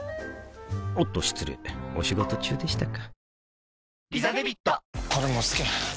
おっと失礼お仕事中でしたか